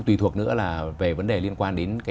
tùy thuộc nữa là về vấn đề liên quan đến cái